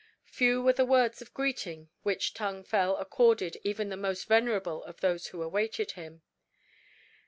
Few were the words of greeting which Tung Fel accorded even to the most venerable of those who awaited him.